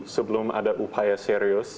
sebelum ada upaya serius